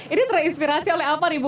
ini terinspirasi oleh apa nih bu